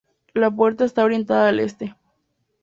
La puerta está orientada al Este.